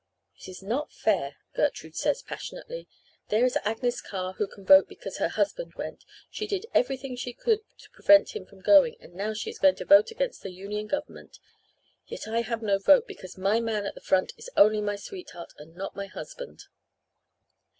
"'It is not fair,' Gertrude says passionately. 'There is Agnes Carr who can vote because her husband went. She did everything she could to prevent him from going, and now she is going to vote against the Union Government. Yet I have no vote, because my man at the front is only my sweetheart and not my husband!"